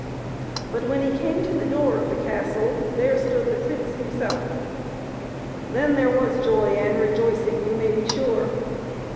But when he came to the door of the castle, there stood the prince himself. Then there was joy and rejoicing, you may be sure